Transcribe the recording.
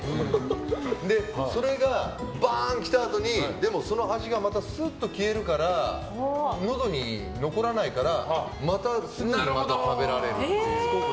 それが、バーン来たあとにでも、その味がまたすっと消えるからのどに残らないからまたすぐに食べられる。